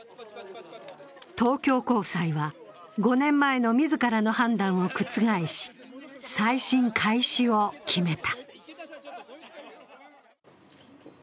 東京高裁は５年前の自らの判断を覆し再審開始を決めた。